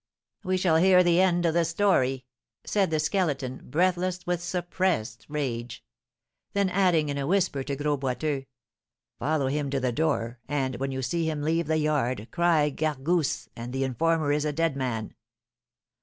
"We shall hear the end of the story," said the Skeleton, breathless with suppressed rage; then, adding in a whisper to Gros Boiteux, "Follow him to the door, and, when you see him leave the yard, cry Gargousse, and the informer is a dead man."